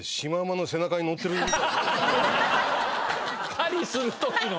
狩りするときの？